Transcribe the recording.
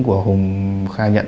của hung khai nhận